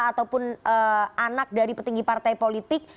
ataupun anak dari petinggi partai politik